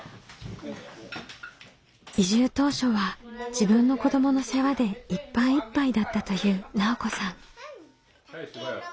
移住当初は自分の子どもの世話でいっぱいいっぱいだったという奈緒子さん。